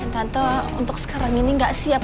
tante untuk sekarang ini nggak siap